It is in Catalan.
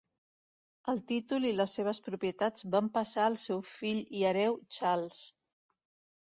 El títol i les seves propietats van passar al seu fill i hereu Charles.